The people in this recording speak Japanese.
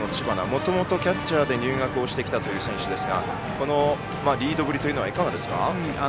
もともとキャッチャーで入学してきたという選手ですがこのリードぶりはいかがですか。